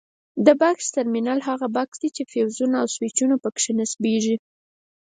د بکس ټرمینل هغه بکس دی چې فیوزونه او سویچونه پکې نصبیږي.